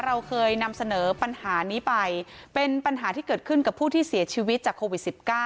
เราเคยนำเสนอปัญหานี้ไปเป็นปัญหาที่เกิดขึ้นกับผู้ที่เสียชีวิตจากโควิด๑๙